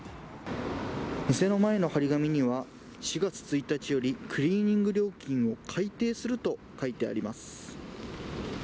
店の前の貼り紙には、４月１日よりクリーニング料金を改定すると書いてあります。